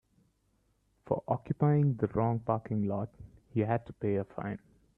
For occupying the wrong parking lot he had to pay a fine.